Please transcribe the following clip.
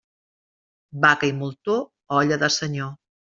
Vaca i moltó, olla de senyor.